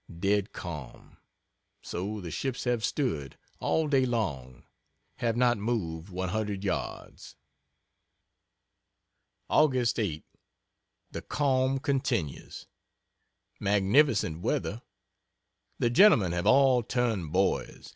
Dead calm. So the ships have stood, all day long have not moved 100 yards. Aug. 8 The calm continues. Magnificent weather. The gentlemen have all turned boys.